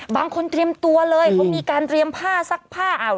เตรียมตัวเลยเขามีการเตรียมผ้าซักผ้า